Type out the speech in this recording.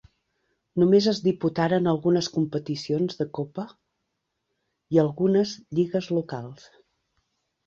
Només es diputaren algunes competicions de copa i algunes lligues locals.